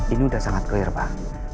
ini sudah sangat clear pak